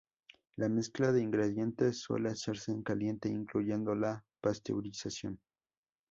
La mezcla de ingredientes suele hacerse en caliente, incluyendo la pasteurización.